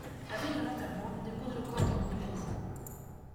La veille de l'enterrement, on dépose le corps dans une église.